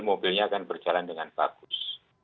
mobilnya akan berjalan dengan bagus